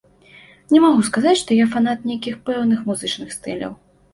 Не магу сказаць, што я фанат нейкіх пэўных музычных стыляў.